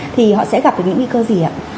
thì họ sẽ gặp được những nguy cơ gì ạ